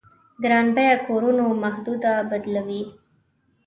ګران بيه کورونو محدوده بدلوي.